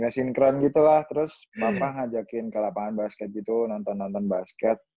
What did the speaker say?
gak sinkron gitu lah terus bapak ngajakin ke lapangan basket gitu nonton nonton basket